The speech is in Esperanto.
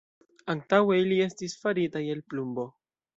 Antaŭe ili estis faritaj el plumbo.